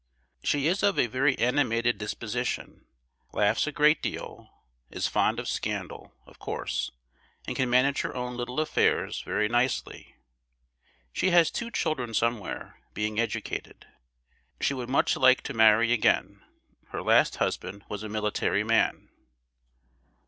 She is of a very animated disposition, laughs a great deal, is fond of scandal, of course; and can manage her own little affairs very nicely. She has two children somewhere, being educated. She would much like to marry again. Her last husband was a military man.